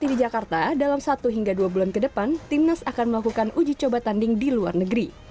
di jakarta dalam satu hingga dua bulan ke depan timnas akan melakukan uji coba tanding di luar negeri